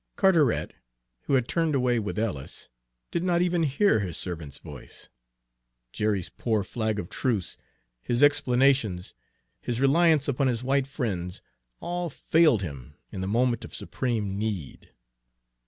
Carteret, who had turned away with Ellis, did not even hear his servant's voice. Jerry's poor flag of truce, his explanations, his reliance upon his white friends, all failed him in the moment of supreme need.